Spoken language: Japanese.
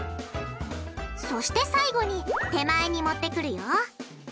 そして最後に手前に持ってくるよ。